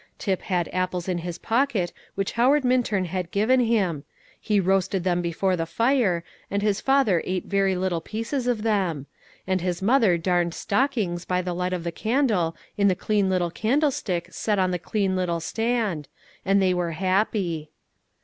Tip had apples in his pocket, which Howard Minturn had given him; he roasted them before the fire, and his father ate very little pieces of them; and his mother darned stockings by the light of the candle in the clean little candlestick set on the clean little stand; and they were happy.